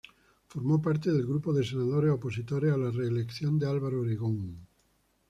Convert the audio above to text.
Formó parte del grupo de senadores opositores a la reelección de Álvaro Obregón.